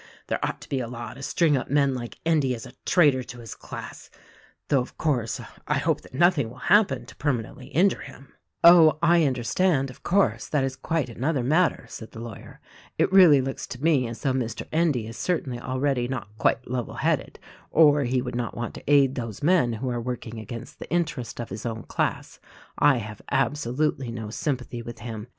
There ought to be a law to string up men like Endy as a traitor to his class — though, of course, I hope that nothing will hap pen to permanently injure him." "Oh, I understand, of course, that is quite another mat ter," said the lawyer. "It really looks to me as though Mr. Endy is certainly already not quite level headed or he would not want to aid those men who are working against the interest of his own class. I have absolutely no sym pathy with him.